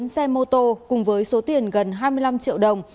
bốn xe mô tô cùng với số tiền gần hai mươi năm triệu đồng